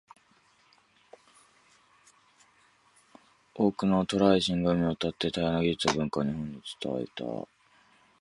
多くの渡来人が海を渡って、多様な技術や文化を日本に伝えた。